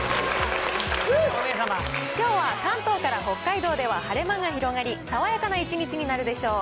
きょうは関東から北海道では晴れ間が広がり、爽やかな一日になるでしょう。